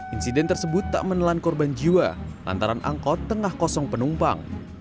insiden tersebut tak menelan korban jiwa lantaran angkot tengah kosong penumpang